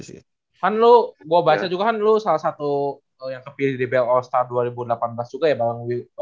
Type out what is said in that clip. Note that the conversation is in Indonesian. sohan lo gue baca juga lo salah satu yang kepilih di dbl all star dua ribu delapan belas juga ya